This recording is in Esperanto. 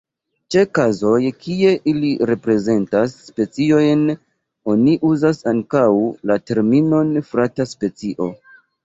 Ĉe kazoj kie ili reprezentas speciojn, oni uzas ankaŭ la terminon frata specio.